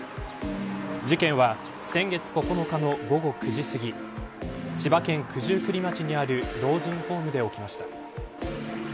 事件は先月９日の午後９時すぎ千葉県九十九里町にある老人ホームで起きました。